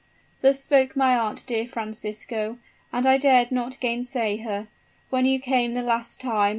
"Thus spoke my aunt, dear Francisco, and I dared not gainsay her. When you came the last time.